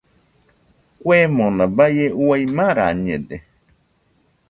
Kuemona baie uai marañede.